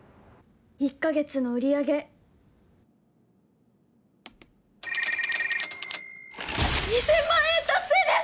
１か月の売上２０００万円達成です！